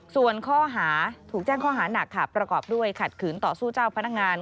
ส่วนข้อหาถูกแจ้งข้อหานักค่ะประกอบด้วยขัดขืนต่อสู้เจ้าพนักงาน